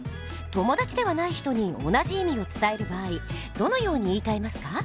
友達ではない人に同じ意味を伝える場合どのように言いかえますか？